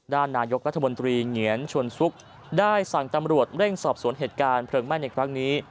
นายกรัฐมนตรีเหงียนชวนซุกได้สั่งตำรวจเร่งสอบสวนเหตุการณ์เพลิงไหม้ในครั้งนี้